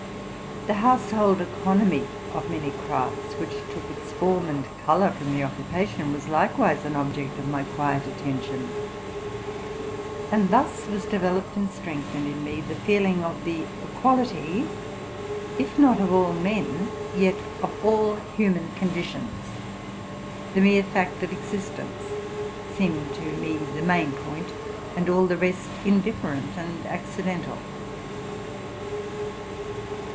The household economy of many RELATING TO MY LIFE. 125 erafts, which took its form and color from the occupation, was likewise an object of my quiet attention; and thus was developed and strengthened in me the feeling of the equality, if not of all men, yet of all human conditions, —the mere fact of existence seeming to me the main point, and all the rest indifferent and accidental.